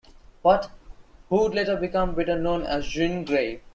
What?, who would later become better known as Jean Grae.